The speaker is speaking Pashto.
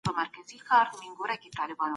د کتاب په ټاکلو کي بايد دقت وسي.